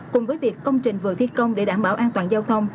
cùng với tiệc công trình vừa thiết công để đảm bảo an toàn giao thông